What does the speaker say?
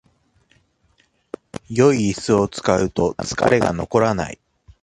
良いイスを使うと疲れが残らない